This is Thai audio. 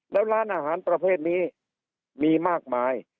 แล้วร้านอาหารประเภทนี้มีมากมาย